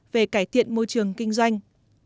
về cải thiện môi trường kinh doanh